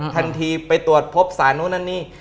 ทันทีไปตรวจพบสารนู้นนั่นนี่